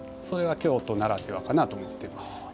それが京都ならではかなと思ってます。